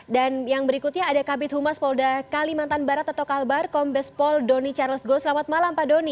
dan yang berikutnya ada kabit humas polda kalimantan barat atau kalbar kombes pol doni tjengah dan jemaah jemaah ahmadiyah di indonesia